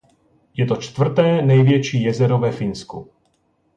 Je to čtvrté největší jezero ve Finsku.